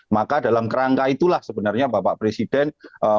maka dalam kerangka itulah sebenarnya bapak presiden